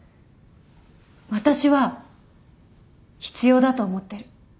私は必要だと思ってる。